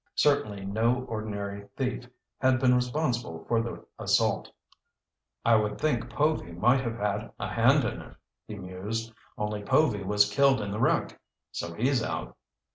Certainly no ordinary thief had been responsible for the assault. "I would think Povy might have had a hand in it," he mused, "only Povy was killed in the wreck. So he's out."